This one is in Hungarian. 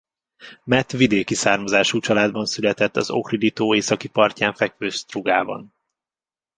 Mat vidéki származású családban született az Ohridi-tó északi partján fekvő Sztrugában.